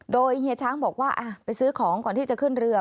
โดยเฮียช้างบอกว่าไปซื้อของก่อนที่จะขึ้นเรือ